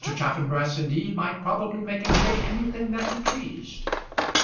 Chaffanbrass indeed might probably make him say anything that he pleased.